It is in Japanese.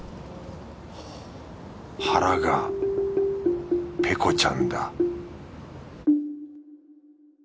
腹がペコちゃんだ